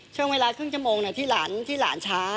ช่วงเวลาครึ่งชั่วโมงเนี่ยที่หลานที่หลานช้า